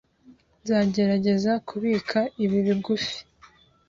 Nzagerageza kubika ibi bigufi.